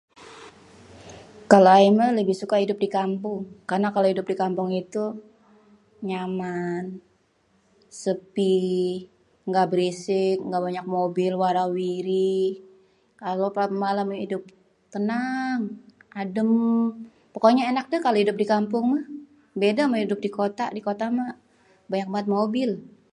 Kalo ayé mah lebih suka idup di kampung. Karna kalo idup di kampung itu nyaman, sépi, gak berisik, gak banyak mobil wara-wiri. Kalo pas malam idup tenang, adém. Pokoknya ènak dah kalo idup di kampung mah. Béda ama idup di kota, di kota mah banyak bét mobil.